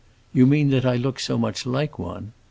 "You mean that I look so much like one?